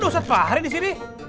kok dosa tepah hari disini